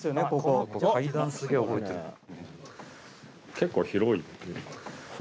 結構広い。